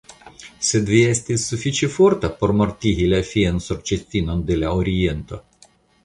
Sed vi estis sufiĉe forta por mortigi la fian Sorĉistinon de la Oriento?